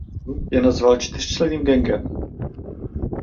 Alain Lamassoure je nazval čtyřčlenným gangem.